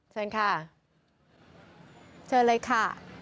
เชิญค่ะเชิญเลยค่ะ